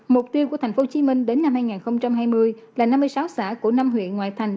mục tiêu của tp hcm đến năm hai nghìn hai mươi là năm mươi sáu xã của năm huyện ngoại thành